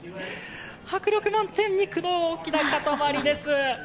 迫力満点、肉の大きな塊です。